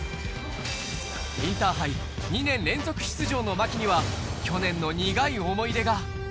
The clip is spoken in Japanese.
インターハイ２年連続出場の茉輝には、去年の苦い思い出が。